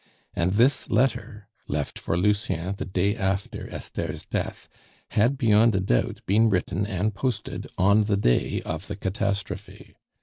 And this letter, left for Lucien the day after Esther's death, had beyond a doubt been written and posted on the day of the catastrophe.